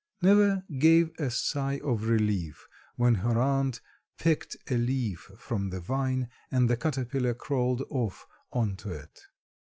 Neva gave a sigh of relief when her aunt picked a leaf from the vine and the caterpillar crawled off on to it.